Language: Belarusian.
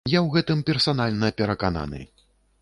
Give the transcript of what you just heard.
Я ў гэтым персанальна перакананы.